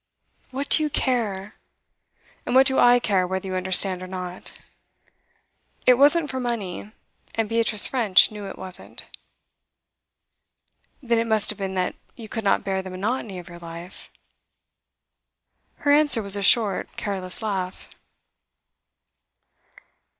What do you care? And what do I care whether you understand or not? It wasn't for money, and Beatrice French knew it wasn't.' 'Then it must have been that you could not bear the monotony of your life.' Her answer was a short, careless laugh.